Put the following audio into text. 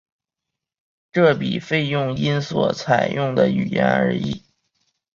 这笔费用因所采用的语言而异。